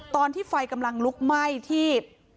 ตอนที่ไฟกำลังลุกไหม้ที่